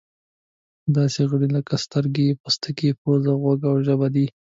دا حسي غړي لکه سترګې، پوستکی، پزه، غوږ او ژبه دي.